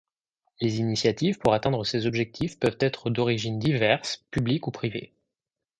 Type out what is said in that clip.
Les initiatives pour atteindre ces objectifs peuvent être d'origines diverses, publiques ou privées.